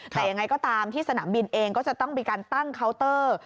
แต่ยังไงก็ตามที่สนามบินเองก็จะต้องมีการตั้งเคาน์เตอร์